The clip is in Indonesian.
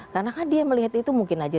karena kan dia melihat itu mungkin aja